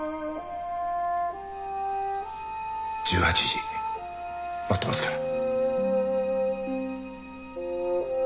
１８時待ってますから。